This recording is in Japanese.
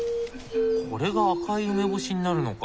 これが赤い梅干しになるのか。